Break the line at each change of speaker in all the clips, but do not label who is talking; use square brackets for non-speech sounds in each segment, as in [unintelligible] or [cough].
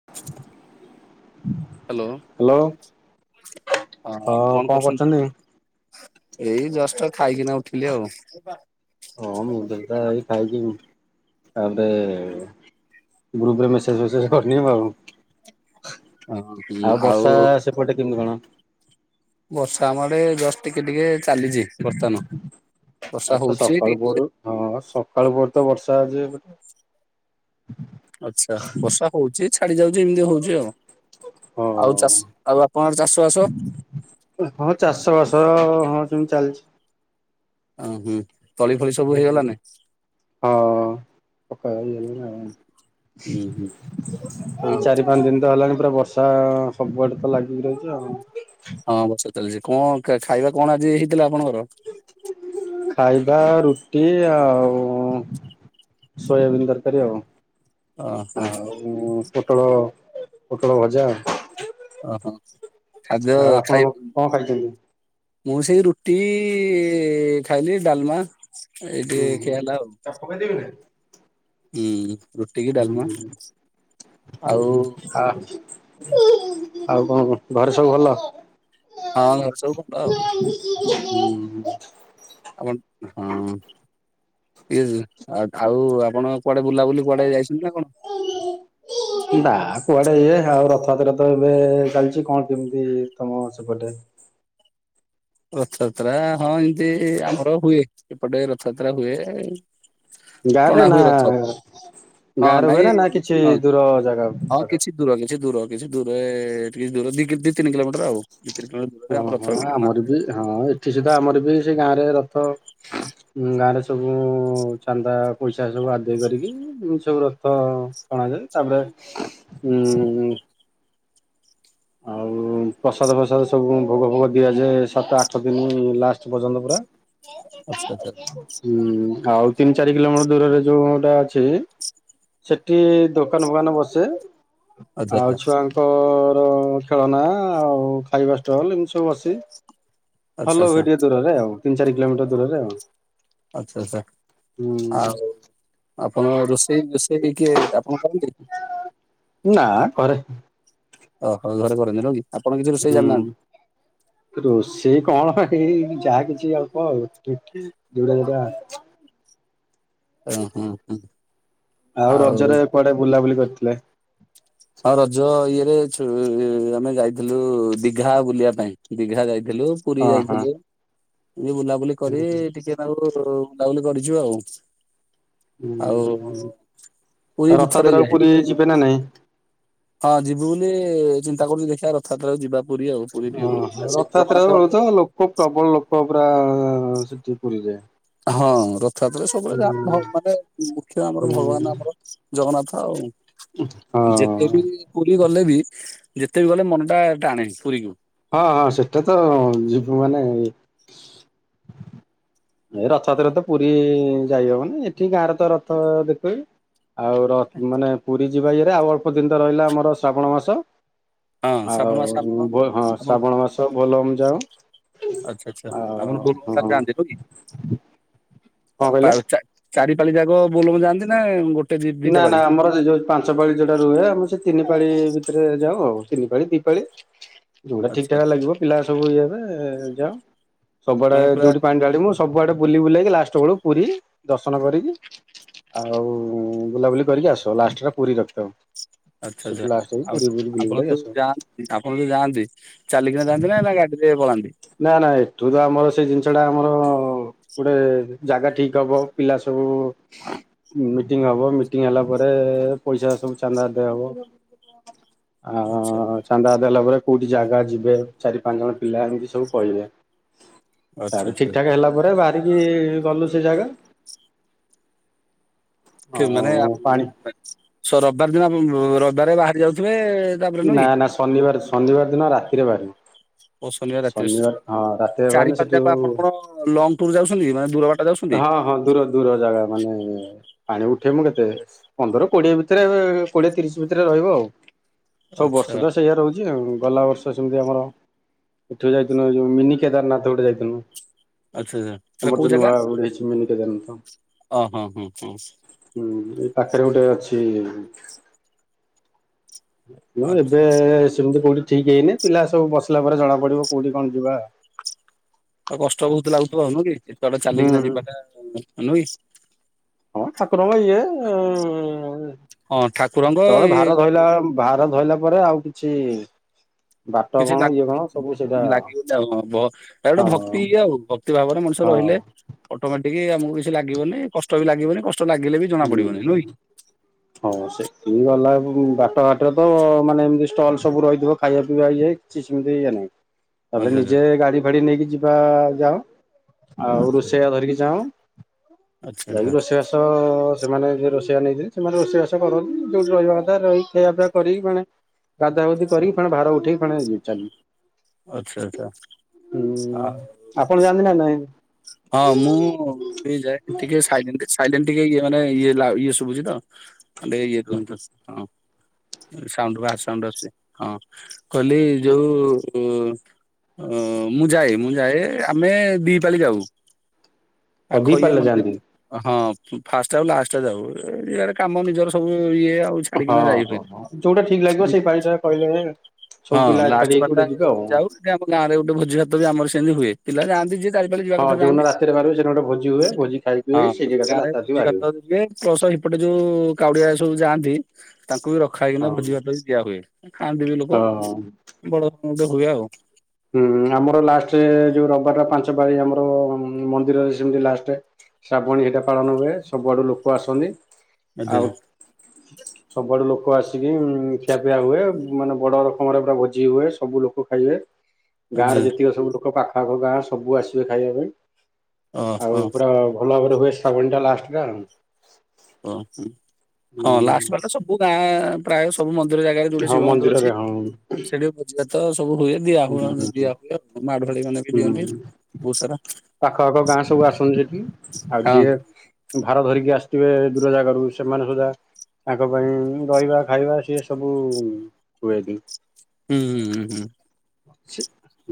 [inaudible]
Hello
hello ହଁ କଣ କରୁଛନ୍ତି।
ଏଇ ଜଷ୍ଟ ଖାଇକି ନା ଉଠିଲି ଆଉ।
ହଁ ମୁଁ ତ ଏଇନା ଖାଇକି ତାପରେ ଗ୍ରୁପରେ ମେସେଜଫେସେଜ କରନି ଆଉ। ଆଉ ବର୍ଷା ସେପଟେ କେମିତି କଣ।
ବର୍ଷା ଆମ ଆଡେ ଜଷ୍ଟ ଟିକେ ଟିକେ ଚାଲିଛି ବର୍ତ୍ତମାନ ବର୍ଷା
ଆଉ ତ
ହଉଛି
ସକାଳୁ
ଟିକେ
ପହରୁ
ଟିକେ।
ହଁ ସକାଳୁ ପହରୁ ତ ବର୍ଷା ଆଜି ଏପଟେ।
ଆଚ୍ଛା ବର୍ଷା। ହଉଛି ଛାଡି ଯାଉଛି ଏମିତି ହଉଛି ଆଉ
ହଁ
ଆଉ ଚାଷ ଆଉ ଆପଣଙ୍କ ଆଡେ ଚାଷ ବାସ।
ହଁ ଚାଷ ବାସ ହଁ ସେମିତି ଚାଲିଛି।
ଓ ହୁଁ ତଳି ଫଳି ସବୁ ହେଇଗଲାନି।
ହଁ ପକା ପାକି ହେଲାଣି ଆଉ।
ହୁଁ ହୁଁ
ଏଇ
ଆଉ
ଚାରି ପାଞ୍ଚ ଦିନ ତ ହେଲାଣି ପୁରା ବର୍ଷା ତ ସବୁଆଡେ ତ ଲାଗିକି ରହିଛି ଆଉ।
ହଁ ବର୍ଷା ଚାଲିଛି କଣ ଖାଇବା କଣ ଆଜି ହେଇଥିଲା ଆପଣଙ୍କର।
ଖାଇବା ରୁଟି ଆଉ ସୋୟବିନ ତରକାରି ଆଉ।
ଓହୋ
ଆଉ ପୋଟଳ ପୋଟଳ ଭଜା ଆଉ।
ଓହୋ ଖାଦ୍ୟ
ଆଉ ଆପଣ
ଖାଇ
କଣ ଖାଇଛନ୍ତି?
ମୁଁ ସେଇ ରୁଟି ଖାଇଲି ଡାଲମା। ଏଇ
ହୁଁ
ଟିକେ
ହୁଁ
ଖିଆ ହେଲା ଆଉ
ତାକୁ ପକେଇଦେବି ନା।
ହୁଁ। ରୁଟି କି
ହୁଁ
ଡାଲମା
ହୁଁ
ଆଉ
ଉହୁଁ ଆ ଆଉ କଣ ଘରେ ସବୁ ଭଲ।
ହଁ ଘରେ ସବୁ ଭଲ ଆଉ।
[unintelligible]
ଆପଣ ହଁ ଏ ଆଉ ଆପଣ। କୁଆଡେ ବୁଲାବୁଲି କୁଆଡେ ଯାଇଛନ୍ତି ନା କଣ।
ନା କୁଆଡେ ଇଏ ଆଉ ରଥଯାତ୍ରା ତ ଏବେ ଚାଲିଛି କଣ କେମିତି ତମ ସେପଟେ।
ରଥଯାତ୍ରା ହଁ ଏମିତି ଆମର ହୁଏ ଏପଟେ ରଥଯାତ୍ରା ହୁଏ।
ଗାଁ ରେ
ଟଣା
ନା
ହୁଏ ରଥ ହଁ
ଗାଁରେ
ନାଇଁ
ହୁଏ ନା ନା କିଛି
ହଁ
ଦୂର ଜାଗା
ହଁ
ପାଖ।
କିଛି ଦୂର କିଛି ଦୂର କିଛି ଦୂରେ କିଛି ଦୂର ଦି ତିନି କିଲୋମିଟର ଆଉ। ଦି ତିନି କିଲୋମିଟର ଦୂରରେ ଆମ ରଥ ଅଛି ଟଣା ହେବ।
ଉବି ହଁ ଏଠି ସୁଧା ଆମର ବି ଗାଁରେ ରଥ ଗାଁରେ ସବୁ ଚାନ୍ଦା ପଇସା ସବୁ ଆଦାୟ କରିକି ଦୁଇ ସବୁ ରଥ ଟଣାଯାଏ ତାପରେ ଆଉ ପ୍ରସାଦ ଫସାଦ ସବୁ ଭୋଗ ଫୋଗ ଦିଆଯାଏ ସାତ ଆଠ ଦିନ ଲାଷ୍ଟ ପର୍ଯ୍ୟନ୍ତ ପୁରା।
ଆଚ୍ଛା ଆଚ୍ଛା।
ହୁଁ ଆଉ ତିନି ଚାରି କିଲୋମିଟର ଦୂରରେ ଯୋଉ ଗୋଟା ଅଛି। ସେଠି ଦୋକାନ ଫୋକାନ ବସେ।
ଆଚ୍ଛା
ଆଉ ଛୁଆଙ୍କ ଖେ ଖେଳନା ଆଉ ଖାଇବା ଷ୍ଟଲ୍ ଏମିତି ସବୁ ବସେ
ଆଚ୍ଛା ଆଚ୍ଛା
ଭଲ ହୁଏ
ଆଚ୍ଛା
ଟିକେ ଦୂରରେ ଆଉ ତିନି ଚାରି କିଲୋମିଟର ଦୂରରେ ଆଉ।
ଆଚ୍ଛା ଆଚ୍ଛା
ହୁଁ
ଆଉ। ଆପଣ ରୋଷେଇ ଫୋଷେଇ କିଏ ଆପଣ କରନ୍ତି?
ନା କରେ।
ଓହୋ ଘରେ କରନ୍ତି ନୁହଁ କି? ଆପଣ କିଛି ରୋଷେଇ
ହୁଁ।
ଜାଣିନାହାନ୍ତି?
ରୋଷେଇ କଣ ଏଇ ଯାହା କିଛି ଅଳ୍ପ ଆଉ ଠିକ ଯୋଉଟା ଯୋଉଟା।
ଓ ହଁ ହୁଁ।
ଆଉ ରଜରେ କୁଆଡେ ବୁଲାବୁଲି କରିଥିଲେ?
ହଁ ରଜ ଇଏରେ ଆମେ ଛୁ ଯାଇଥିଲୁ ଦିଘା ବୁଲିବା ପାଇଁ ଦିଘା ଯାଇଥିଲୁ। ପୁରୀ
ହଁ
ଯାଇଥିଲୁ ଇଏ ବୁଲାବୁଲି କରି ଟିକେ ନାକୁରୁ ବୁଲାବୁଲି କରିଛୁ ଆଉ। ଆଉ
ହଁ।
ପୁରୀ ଦିଥର ଯିଆହେଇ
ସେ ଯିବେ ନା ନାଇ?
ହଁ ଯିବୁ ବୋଲି ଚିନ୍ତା କରୁଛୁ ଦେଖିବା ରଥଯାତ୍ରାକୁ ଯିବା ପୁରୀ ଆଉ। ପୁରୀ ଟିକେ ବୁଲିକି
ଓହୋ
ଆସିବା
ରଥଯାତ୍ରା
ଜଗନ୍ନାଥ
ବହୁତ
ମନ୍ଦିର।
ଲୋକ ପ୍ରବଳ ଲୋକ ପୁରା ସେଠି ପୁରୀ ରେ।
ହଁ ରଥଯାତ୍ରା ସବୁବେଳେ ଯାହା ମ ମାନେ ମୁଖ୍ୟ ଆମର ଭଗବାନ ଆମର। ଜଗନ୍ନାଥ ଆଉ ଯେତେ ବି
ହଁ
ପୁରୀ ଗଲେ ବି ଯେତେ ବି ଗଲେ ମନଟା ଟାଣେ ପୁରୀକୁ।
ହଁ ହଁ ସେଟା ତ ଯିବୁ ମାନେ ଏ ରଥଯାତ୍ରା ରେ ତ ପୁରୀ ଯାଇହବନି ଏଠି ଗାଁରେ ତ ରଥ ଦେଖେ ଆଉ ର ମାନେ ପୁରୀ ଯିବା ଇଏରେ ଆଉ ଅଳ୍ପ ଦିନ ତ ରହିଲା ଆମର ଶ୍ରାବଣ ମାସ।
ହଁ
ଆଉ
ଶ୍ରାବଣ ମାସ ଆପଣ
ଉଭୟ ହଁ
ଆପଣ
ଶ୍ରାବଣ ମାସ ବୋଲବମ୍ ଯାଉ।
ଆଚ୍ଛା ଆଚ୍ଛା
ଆଉ
ଆପଣ
ହଁ
ବୋଲବମ ଯାଆନ୍ତି ନୁହଁ କି?
କଣ
ପା
କହିଲେ?
ଚା ଚାରିପାଳି ଯାକ ବୋଲବମ୍ ଯାଆନ୍ତି ନା ଗୋଟେ? ଦି ଦିଟା
ନା
ପାଳି
ନା ଆମର ଯୋଉ ପାଞ୍ଚ ପାଳି ଯୋଉଟା ରୁହେ ଆମେ ସେ ତିନି ପାଳି ଭିତରେ ଯାଉ ଆଉ ତିନି ପାଳି ଦିପାଳି। ଯୋଉଟା ଠିକ
ଆଚ୍ଛା
ଠାକ
ଆଚ୍ଛା
ଲାଗିବ ପିଲା ସବୁ ଇଏହେବେ ଯାଅ ସବୁଆଡେ
ମାନେ ପୁରା
ଯୋଉଠି ପାଣି ଢାଳିବୁ ସବୁଆଡ଼େ ବୁଲି ବୁଲାକି ଲାଷ୍ଟ ବେଳକୁ ପୁରୀ ଦର୍ଶନ କରିକି ଆଉ ବୁଲାବୁଲି କରିକି ଆସୁ ଲାଷ୍ଟ ଟା ପୁରୀ ରଖିଥାଉ।
ଆଚ୍ଛା
ସେଠୁ
ଆଚ୍ଛା
ଲାଷ୍ଟ ହେଇକି
ଆଉ
ପୁରୀ ବୁଲି
ଆପଣ
ବୁଲାକି
ଯୋଉ
ଆସିବ
ଯାଆନ୍ତି ଆପଣ ଯୋଉ ଯାଆନ୍ତି ଚାଲିକିନା ଯାଆନ୍ତି ନା ନା ଗାଡ଼ିରେ ପଳାନ୍ତି?
ନା ନା ଏଠୁ ତ ଆମର ସେ ଜିନିଷ ଟା ଆମର ଗୋଟେ ଜାଗା ଠିକ୍ ହବ ପିଲା ସବୁ। ମିଟିଂ ହବ ମିଟିଂ ହେଲା ପରେ ପଇସା ସବୁ ଚାନ୍ଦା ଆଦାୟ ହବ। ଆ
ଆଚ୍ଛା
ଚାନ୍ଦା ଆଦାୟ ଦେଲା ପରେ କୋଉଠି ଜାଗା ଯିବେ ଚାରି ପାଞ୍ଚ ଜଣ ପିଲା ଏମିତି। ସବୁ କହିବେ
ଆଚ୍ଛା
ତାପରେ
ଆଚ୍ଛା
ଠିକ୍ ଠାକ୍ ହେଲା ପରେ ବାହାରିକି ଗଲୁ ସେ ଜାଗା।
ଖେ ମାନେ ଆମ୍
ଆଉ
ମୁ
ପାଣି
ମା ସ ରବିବାର ଦିନ ବୁ ବୁ ରବିବାର ବାହାରି ଯାଉଥିବେ। ତାପରେ ନୁହେଁ
ନା
କି
ନା ଶନିବାର ଶନିବାର ଦିନ ରାତିରେ ବାହାରିବୁ।
ଓ ଶନିବାର ରାତିରେ
ହଁ
ସ୍
ରାତିରେ
ଚାରି
ବାହାରିଲେ
ପାଞ୍ଚ
ସେଠୁ
ଯାକ ଆପଣ କଣ ଲଙ୍ଗ ଟୁର ଯାଉଛନ୍ତି ମାନେ ଦୂରବାଟ ଯାଉଛନ୍ତି।
ହଁ ହଁ ଦୂର ଦୂର ଜାଗା ମାନେ। ପାଣି ଉଠେଇ ବୁ କେତେ ପନ୍ଦର କୋଡିଏ ଭିତରେ କୋଡିଏ ତିରିଶ ଭିତରେ ରହିବ ଆଉ। ସବୁ
ଆଚ୍ଛା
ବର୍ଷ ତ ସେଇଆ ରହୁଛି ଗଲା ବର୍ଷ ସେମିତି ଆମର। ଏଠୁ ଯାଇଥିନୁ ଏ ଯୋଉ ମିନି କେଦାରନାଥ ଗୋଟେ ଯାଇଥିଲୁ।
ଆଚ୍ଛା ଆଚ୍ଛା ଏଟା
ଆମର
କୋଉ
ଯୋଉ
ଜାଗା
ନୂଆ ଗୋଟେ ହେଇଛି ମିନି କେଦାରନାଥ।
ଅ ହଁ ହଁ ହଁ
ହୁଁ ଏଇ ପାଖରେ ଗୋଟେ ଅଛି। ଉଁ
ଆଚ୍ଛା
ଏବେ ସେମିତି କୋଉଠି ଠିକ୍ ହେଇନି ପିଲା ସବୁ ବସିଲା ପରେ ଜଣା ପଡିବ କୋଉଠି କଣ ଯିବା।
ଆଉ କଷ୍ଟ ବହୁତ ଲାଗୁଥିବ ନୁହଁ କି ଏତେବେଟେ
ହୁଁ
ଚାଲିକିନା
ହୁଁ।
ଯିବା ଟା ନୁହ କି।
ହଁ ଠାକୁର ଙ୍କ ଇଏ ଉଁ
ହଁ ଠାକୁରଙ୍କ
ତଳ
ଇଏ
ଭାର ଧଇଲା। ଭାର ଧଇଲା ପରେ ଆଉ କିଛି। କଷ୍ଟ
କିଛି
କଣ
ଲାଗୁ
ଇଏ କଣ ସ
ଲାଗିବନି ଆଉ କଁ ଭ‌ ଆଉ ଗୋଟେ
ହଁ
ଭକ୍ତି ଇଏ ଆଉ ଭକ୍ତି ଭାବରେ ମଣିଷ
ହଁ।
ରହିଲେ। ଅଟୋମେଟିକ ଆମକୁ କିଛି ଲାଗିବନି କଷ୍ଟ ବି ଲାଗିବନି କଷ୍ଟ ଲାଗିଲେ ବି। ଜଣା
ହୁଁ।
ପଡିବନି ନୁହେଁ କି?
ହଁ ସେଠକି ଗଲା ବେଳ କୁ ବାଟ ଘାଟ ରେ ତ ମାନେ ଏମିତି ଷ୍ଟଲ୍ ସବୁ ରହିଥିବ ଖାଇବା ପିଇବା ଇଏ। କିଛି ସିମିତି ଇଏ ନାଇଁ। ତାପରେ
ଆଚ୍ଛା
ନିଜେ ଗାଡି ଫାଡି ନେଇକି ଯିବା ଯାଅ ଆଉ
ଆଚ୍ଛା
ରୋଷେଇ ଆ ଧରିକି ଯାଅ।
ଆଚ୍ଛା ଆଚ୍ଛା
ଯାଇକି ରୋଷେଇ ବାସ। ତ ସେମାନେ ଯିଏ ରୋଷେଇଆ ନେଇଥିବେ ସେମାନେ ରୋଷେଇବାସ କରନ୍ତି ଯୋଉଠି ରହିବା କଥା ରହି ଖିଆ ଫିଆ କରି କି ପୁଣି। ଗାଧା ଗୁଧି କରିକି ଫେଣେ ଭାର ଉଠେଇକି ଫେଣେ ଇଏ ଚାଲିଲି।
ଆଛା ଆଛା
ହୁଁ
ଆଉ।
ଆପଣ ଜାଆନ୍ତି ନା ନାଇଁ।
ହଁ ମୁଁ। ସେଇ ଯାଏ ଟିକେ ସାଇଲେଣ୍ଟ ସାଇଲେଣ୍ଟ ଟିକେ ଇଏ ମାନେ ଇଏ ଲାଉ ଇଏ ଶୁଭୁଚି ତ। କଣ୍ଡେ ଇଏ ରୁହନ୍ତୁ ହଁ। ସାଉଣ୍ଡ ବାହାର ସାଉଣ୍ଡ ଆସୁଚି ହଁ କହିଲି ଯୋଉ। ଅ ମୁଁ ଯାଏ ମୁଁ ଯାଏ ଆମେ ଦି। ଦି ପାଳି ଯାଉ
ଦି
ପାଖ ଇଏ
ପାଳିରେ ଯାଆନ୍ତି
ମନ୍ଦିର। ହଁ ଫାଷ୍ଟା ଆଉ ଲାଷ୍ଟ ଟା ଯାଉ ଇଆଡେ କାମ ନିଜର ସବୁ ଇଏ ଆଉ। ଛାଡିକିନା
ହଁ
ଯାଇ
ହଁ
ହୁଏନି।
ହଁ ଯୋଉଟା ଠିକ ଲାଗିବ ସେଇ ପାଳିଟା ପାଳି ଦେବେ। ସବୁ ପିଲା ଏକାଠି ହେଇକି ଗୋଟେ ଜିବେ ଆଉ।
ଏ ଆମ ଗାଁରେ ଗୋଟେ ଭୋଜି ଭାତ ବି ଆମର ସେମତି ହୁଏ ପିଲାନ୍ତି ଯିଏ। ବେଲି ଯିବା
ହଁ
କଥା
ଯୋଉଦିନ
ଯାଆନ୍ତି
ରାତିରେ ବାହାରିବେ ସେଦିନ ଗୋଟେ ଭୋଜି ହୁଏ ଭୋଜି ଖାଇକି
ହଁ
ସେଇଠି ଏକାଥରେ
ଗାଁରେ
ରାତା ରାତି
ଭୋଜି
ବାହାରିବୁ
ଭାତ ହୁଏ। ପ୍ଲସ ହେପଟେ ଯୋଉ କାଉଡିଆ ସବୁ ଯାଆନ୍ତି। ତାଙ୍କୁ ବି ରଖା ହେଇକିନା
ହଁ
ଭୋଜି ଭାତ ବି ଦିଆ ହୁଏ ଖାଆନ୍ତି ବି ଲୋକ।
ହଁ
ବଡ କାମ ଟେ ହୁଏ ଆଉ।
ହୁଁ ଆମର ଲାଷ୍ଟ ଯୋଉ ରବିବାର ଟା ପାଞ୍ଚ ପାଳି ଆମର ମନ୍ଦିରରେ ସେମିତି ଲାଷ୍ଟେ। ଶ୍ରାବଣୀ ହେଇଟା ପାଳନ ହୁଏ ସବୁଆଡ଼ୁ ଲୋକ ଆସନ୍ତି।
ଆଚ୍ଛା
ଆଉ ସବୁଆଡ଼ୁ ଲୋକ ଆସିକି ଖିଆପିଆ ହୁଏ ମାନେ ବଡ଼ ଆମର ପୁରା ଭୋଜି ହୁଏ ସବୁ ଲୋକ ଖାଇବେ।
ଆଚ୍ଛା
ଗାଁରେ ଯେତିକ ସବୁ ଲୋକ ପାଖଆଖ ଗାଁ ସବୁ ଆସିବେ ଖାଇବା ପାଇଁ ଆଉ
ଓହୋ
ପୁରା ଭଲ ଭାବରେ ହୁଏ ଶ୍ରାବଣିଟା ଲାଷ୍ଟେଟା ଆଉ।
ଓହୋ ହଁ ଲାଷ୍ଟେ
ହୁଁ
ପାଳିଟା ସବୁ ଗାଁ ପ୍ରାୟ ସବୁ ମନ୍ଦିର ଜାଗାରେ ଯୋଉଠି
ହଁ
ଶିବ ମନ୍ଦିର
ମନ୍ଦିରରେ
ଅଛି
ହଁ
ସେଠିବି ଭୋଜିଭାତ ସବୁ ହୁଏ। ଦିଆ ହୁଏ
ହୁଁ
ଦିଆ ହୁଏ ମାଡ଼ୁଆଳି ମାନେବି ଦିଅନ୍ତି ବହୁତ୍ ସାରା।
ପାଖଆଖ ଗାଁ ସବୁ ଆସନ୍ତି ସେଠିକି ଆଉ
ହଁ
ଯିଏ ଭାର ଧରିକି ଆସିଥିବେ ଦୂର ଜାଗାରୁୁ ସେମାନେ ସୁଧା ତାଙ୍କ ପାଇଁ ରହିବା ଖାଇବା ସିଏ ସବୁ ହୁଏଦି।
ହୁଁ ହୁଁ ହୁଁ ହୁଁ।
ସେ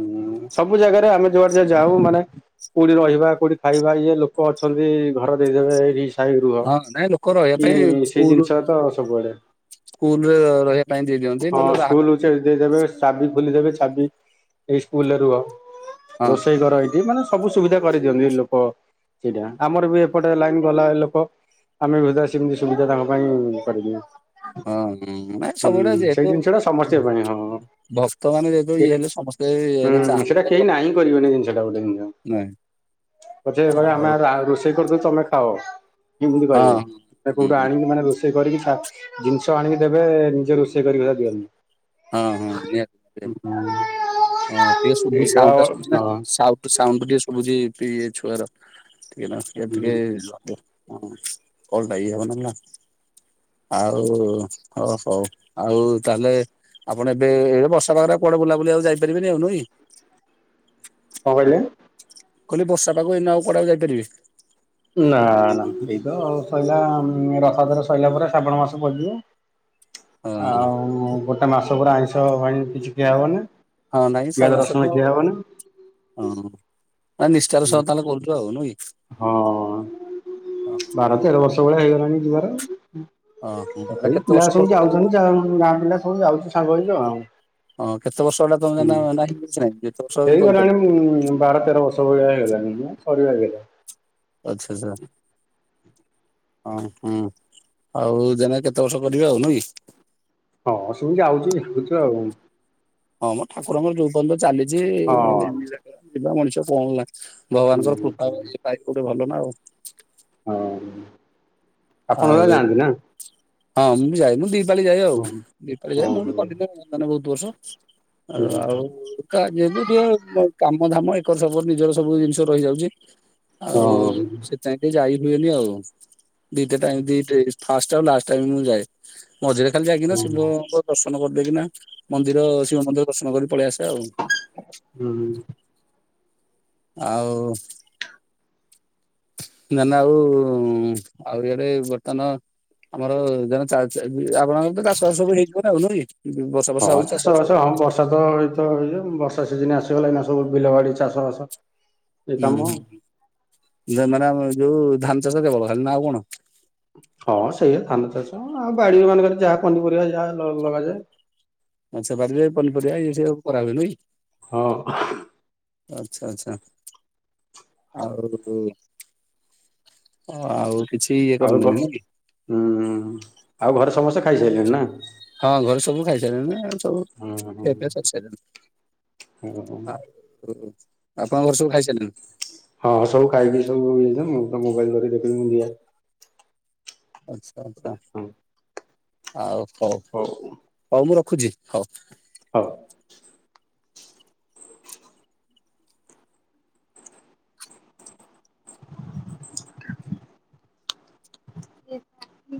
ହୁଁ ସବୁ ଜାଗାରେ ଆମେ ଯୁଆଡ଼େ ଯୁଆଡ଼େ ଯାଉ ମାନେ କୋଉଠି ରହିବା କୋଉଠି ଖାଇବା ଇଏ ଲୋକ ଅଛନ୍ତି ଘର ଦେଇଦବେ ଏଇଠି ଥାଇ ରୁହ
ହଁ ନାଇଁ ଲୋକ ରହିବା ପାଇଁ
ଇଏ ସେଇ
ସ୍କୁଲ
ଜିନିଷତ ସବୁଆଡ଼େ।
ସ୍କୁଲରେ ରହିବା ପାଇଁ ଦେଇ ଦିଅନ୍ତି ନହେଲେ ବାହରେ ବି
ସେ ଦେଇଦେବେ ଚାବି ଖୋଲିଦେବେ ଚାବି ଏଇ ସ୍କୁଲୁରେ ରୁହ।
ହଁ
ରୋଷେଇ ଘର ଏଇଠି ମାନେ ସବୁ ସୁବିଧା କରେଇଦିଅନ୍ତି ଲୋକ ସେଇଟା ଆମରବି ଏପଟେ ଲାଇନ୍ ବାଲା ଲୋକ ଆମେବି ସୁଧା ସେମିତି ସୁବିଧା ତାଙ୍କ ପାଇଁ କରିଦଉ।
ହଁ ନାଇଁ ସବୁଉଡ଼ା
ସେଇ
ଯେହେତୁ
ଜିନିଷ ଟା ସମସ୍ତଙ୍କ ପାଇଁ ହଁ
ଭକ୍ତ ମାନେ ଯେତେବେଳେ ଇଏ
ହୁଁ
ହେଲେ ସମସ୍ତେ ଏଟା ଚାହାନ୍ତି
ସେଟା
ଏଇଟା
କେହି ନାହିଁ
କମେଇବେ
କରିବେନି ଜିନିଷ ଟା ଗୋଟେ ଜିନିଷ
ନାଇଁ।
ପଛେ କହିବେ ଆମେ
ଆଉ
ରା ରୋଷେଇ କରିଦେଉଛୁ ତମେ ଖାଅ ଏମିତି
ହଁ
କହିବେ
ହୁଁ
କୋଉଠୁ
ହୁଁ
ଆଣିମୁ ମାନେ ରୋଷେଇ ରୋଷେଇ କରିକି ଛା ଜିନିଷ ଆଣିକି ଦେବେ ନିଜେ ରୋଷେଇ କରିକି ସୁଧା ଦିଅନ୍ତି।
ହଁ ହଁ ନିହାତି ନିହା ହଁ ଟିକେ ଶୁଭୁ
ଏଇତ
ସାଉଟା
ହଁ
ଶୁଭୁଚି ନା
କଣ
ସାଉ ସାଉଣ୍ଡ ଟିକେ ଶୁଭୁଚି ପିଏ ଛୁଆର ଟିକେ ନାଗୁ ଟିକେ ହବ ହଁ କଲଟା ଇଏ ହବନିନା। ଆଉ ହୋ ହଉ ଆଉ ତାହେଲେ ଆପଣ ଏବେ ଏବେ ବର୍ଷା ପାଗରେ କୁଆଡ଼େ ଆଉ ବୁଲାବୁଲି ଆଉ ଯାଇପାରିବେନି ନୁହଁକି।
କଣ କହିଲେ?
ମୁଁ କହିଲି ବର୍ଷା ପାଗ ଏଇନା ଆଉ କୁଆଡ଼େ ଯାଇପାରିବେ।
ନା ନା ଏଇତ ଆଉ ସଇଲା ରଥଯାତ୍ରା ସଇଲା ପରେ ଶ୍ରାବଣ ମାସ ପସିଯିବ।
ହଁ
ଆଉ ଗୋଟେ ମାସ ପୁରା ଆଇଁଷ ପାଣି କିଛି ଖିଆ ହବନି।
ହଁ ନାଇଁ ଶ୍ରାବଣ
ପିଆଜ
ମାସରେ ତ
ରସୁଣ ଖିଆ ହବନି।
ହଁ। ମାନେ ନିଷ୍ଠାର ସହ ତାହେଲେ କରୁଚ ଆଉ ନୁହଁକି
ହଁ
ହଁ।
କେତେ ଭଳିଆ ହେଇଗଲଣି ଯିବାର
ହଁ ଏଟା
ତଥାପି
କେତେ
ପିଲା
ବର୍ଷ
ସବୁ
ପର୍ଯ୍ୟନ୍ତ
ଯାଉଚନ୍ତି ଗାଁ ପିଲା ସବୁ ଯାଉଚି ସାଙ୍ଗ ହେଇକି ଆଉ।
ହଁ କେତେ ବର୍ଷ ଏଟା ତମେ
ହୁଁ
ନା ନାହିଁ କିଛି ନାହିଁ ଯେତେ ବର୍ଷ ବି କରିପାରିବ
ହେଇଗଲାଣି ବାର ତେର ବ ସବୁ ବେଳେ ହେଲାଣି ନା ସରିଆଇଲାଣି।
ଆଚ୍ଛା ଆଚ୍ଛା। ହଁ ହୁଁ ଆଉ ଜାନେ କେତେ ବର୍ଷ କରିବେ ଆଉ ନୁହେଁ କି।
ହଁ ସେମିତି ଯାଉଚି [unintelligible] ଆଉ।
ହଁ ମ ଠାକୁରଙ୍କର ଯୋଉ ପର୍ଯ୍ୟନ୍ତ ଚାଲିଚି
ହଁ
ନିଳାଖେଳା ଯିବା ମଣିଷ କଣ ହେଲା
ହୁଁ
ଭଗବାନଙ୍କର କୃପାରୁ [unintelligible] ଭଲ ନା ଆଉ।
ହଁ। ଆପଣ
ଆଉ
ଯାଆନ୍ତି ନା
ହଁ ମୁଁ ବି ଯାଏ, ଦି ପାଳି ଯାଏ ଆଉ
ହଁ
ଦି ପାଳି ଯାଏ ମୁଁ ବି
ହଁ
କଲିିନା ମାନେ ବହୁତ ବର୍ଷ, ଆଉ ଯେହେତୁ ଟିକେ କାମ ଧାମ ଏକର ସେକର ନିଜର ସବୁ ଜିନିଷ ରହିଯାଉଛି। ଆଉ
ହଁ
ସେଥିଆଇଁ ଟିକେ ଯାଇ ହୁଏନି ଆଉ। ଦିଟା ଟାଇମ୍ ଦିଟ ଫାଷ୍ଟ ଆଉ ଲାଷ୍ଟ ଟାଇମ୍ ମୁଁ ଯାଏ ମଝିରେ ଖାଲି ଯାଇକିନା ଶିବଙ୍କ ଦର୍ଶନ କରିଦେଇକି ନା ମନ୍ଦିର ଶିବ ମନ୍ଦିର ଦର୍ଶନ କରି ପଳେଇ ଆସେ ଆଉ।
ହୁଁ।
ଆଉ ନା ନା ଆଉ ଆଉ ଇଆଡେ ବର୍ତନ ଆମର ଧର ଚା ଚା ଆପଣଙ୍କର ତ ଚାଷ ବାସ ସବୁ ହେଇଥିବ ଆଉ ନୁହଁ କି। ବର୍ଷା
ହଁ
ବର୍ଷା ହଉଛି
ଚାଷ
ଚାଷବାସ
ବାସ ହଁ
ହେଇଯାଇଥିବ।
ବର୍ଷା ତ ଏଇତ ଇଏ ବର୍ଷା ସିଜନ୍ ଆସିଗଲା ଏଇନା ସବୁ ବିଲ ବାଡି ଚାଷ ବାସ। ଏ
ହୁଁ,
କାମ
[unintelligible] ଆମର ଯୋଉ ଧାନ ଚାଷ କେବଳ ଖାଲି ନା ଆଉ କଣ?
ହଁ ସେଇଆ ଧାନ ଚାଷ ଆଉ ବାଡି ମାନଙ୍କରେ ଯାହା ପନିପରିବା ଯାହା ଲଗାଯାଏ।
ଆଚ୍ଛା ବାରିରେ ପନିପରିବା ଇଏ ସିଏ କରା ହୁଏ ନୁହେଁ କି।
ହଁ।
ଆଛା ଆଛା, ଆଉ ଆଉ କିଛି ଇଏ କରନ୍ତିନି ନା କି?
ଉଁ ଆଉ ଘରେ ସମସ୍ତେ ଖାଇସାଇଲେଣି ନା?
ହଁ ଘରେ ସବୁ ଖାଇସାଇଲେଣି ନା ସବୁ
ହୁଁ ହୁଁ
ଖିଆ ପିଆ ସରି ସାଇଲାଣି।
ହୁଁ
ଆପଣ ଘରେ ସବୁ ଖାଇସାଇଲେଣି?
ହଁ ସବୁ ଖାଇକି ସବୁ ଇ ମୁଁ ତ ମୋବାଇଲ ଧରି ଦେଖି [unintelligible]
ଆଛା ଆଛା
ହଁ
ଆଉ ହଉ ହଉ ମୁଁ ରଖୁଛି ହଉ।
ହ। [unintelligible]